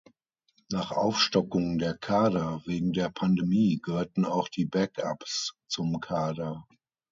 Nach Aufstockung der Kader wegen der Pandemie gehörten auch die Backups zum Kader.